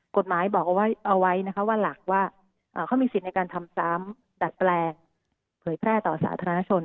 กฎหมายบอกเอาไว้นะคะว่าหลักว่าเขามีสิทธิ์ในการทำซ้ำดัดแปลงเผยแพร่ต่อสาธารณชน